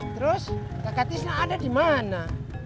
terus kakak tisna ada di mana